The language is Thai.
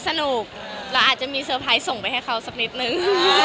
สนุกเราอาจจะมีเซอร์ไพรส์ส่งไปให้เขาสักนิดนึง